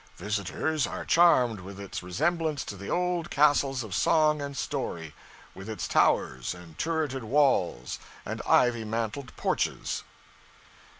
Visitors are charmed with its resemblance to the old castles of song and story, with its towers, turreted walls, and ivy mantled porches.'